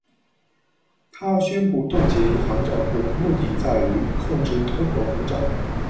他宣布冻结银行账户，目的在于控制通货膨胀。